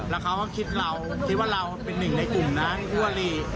แล้วเขาก็คิดเราคิดว่าเราเป็นหนึ่งในกลุ่มนั้นคู่อลี